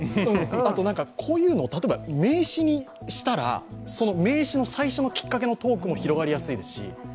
あと、こういうのを例えば名刺にしたら、その名刺の最初のきっかけのトークも広がりやすいですし。